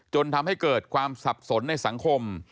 จนทำให้เกิดความสับสนในสังคม